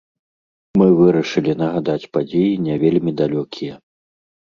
Мы вырашылі нагадаць падзеі не вельмі далёкія.